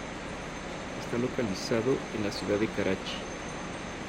Está localizado en la ciudad de Karachi.